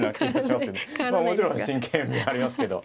まあもちろん真剣味はありますけど。